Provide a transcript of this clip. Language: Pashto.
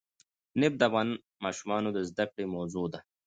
نفت د افغان ماشومانو د زده کړې موضوع ده.